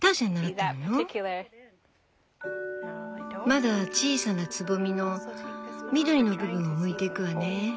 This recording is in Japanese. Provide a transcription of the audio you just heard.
まだ小さなつぼみの緑の部分をむいていくわね。